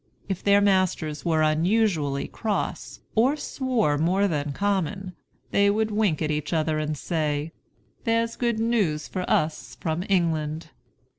If their masters were unusually cross, or swore more than common, they would wink at each other and say, "There's good news for us from England."